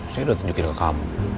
saya sudah tunjukin ke kamu